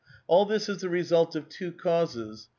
All this is the result of two causes.